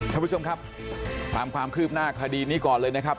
ท่านผู้ชมครับตามความคืบหน้าคดีนี้ก่อนเลยนะครับ